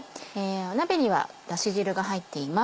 鍋にはだし汁が入っています。